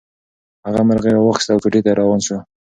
هغه مرغۍ راواخیسته او کوټې ته روان شو.